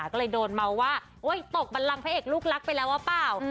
ก็เลยโดนเมาว่าตกบันลังพระเอกลูกรักไปแล้วว่าเปล่า